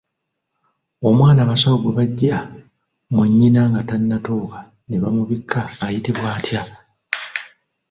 Omwana abasawo gwe baggya mu nnyina nga tannatuuka ne bamubikka ayitibwa atya?